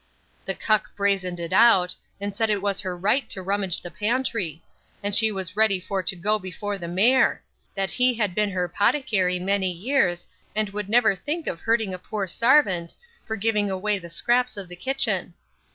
The cuck brazened it out, and said it was her rite to rummage the pantry; and she was ready for to go before the mare: that he had been her potticary many years, and would never think of hurting a poor sarvant, for giving away the scraps of the kitchen.